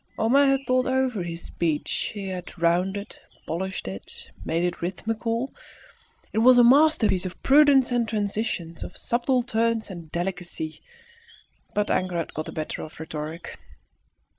Homais had thought over his speech; he had rounded, polished it, made it rhythmical; it was a masterpiece of prudence and transitions, of subtle turns and delicacy; but anger had got the better of rhetoric.